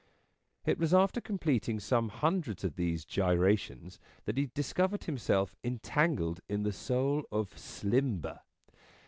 It was after completing some hundreds of these gyrations, that he discovered himself entangled in the soul of Slimber.